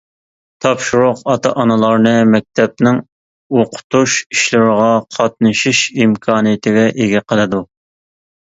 تاپشۇرۇق ئاتا-ئانىلارنى مەكتەپنىڭ ئوقۇتۇش ئىشلىرىغا قاتنىشىش ئىمكانىيىتىگە ئىگە قىلىدۇ.